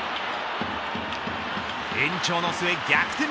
延長の末逆転